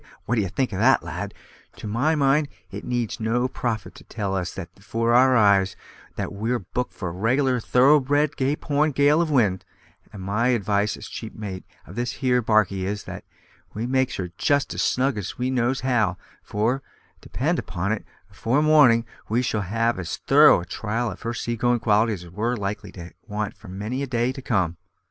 what d'ye think of that, lad? To my mind it needs no prophet to tell us with that afore our eyes that we're booked for a reg'lar thorough bred Cape Horn gale of wind; and my advice as chief mate of this here barkie is, that we makes her just as snug as we knows how, for, depend upon it, afore morning we shall have as thorough a trial of her seagoin' qualities as we're likely to want for many a day to come."